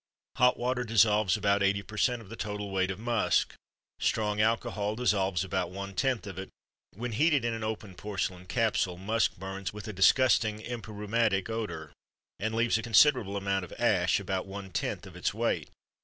Hot water dissolves about eighty per cent of the total weight of musk; strong alcohol dissolves about one tenth of it; when heated in an open porcelain capsule, musk burns with a disgusting empyreumatic odor and leaves a considerable amount of ash, about one tenth of its weight.